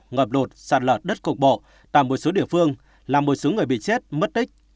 ngọt lột sạt lọt đất cục bộ tại một số địa phương làm một số người bị chết mất tích